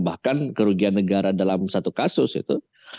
bahkan kerugian negara dalam satu kasus itu